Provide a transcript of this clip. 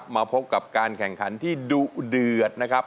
มาพบกับการแข่งขันที่ดุเดือดนะครับ